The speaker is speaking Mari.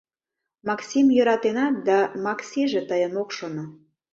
Максим йӧратенат, да Максиже тыйым ок шоно...